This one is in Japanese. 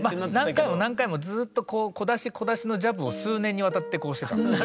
何回も何回もずっと小出し小出しのジャブを数年にわたってしてた。